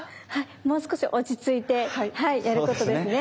もう少し落ち着いてやることですね。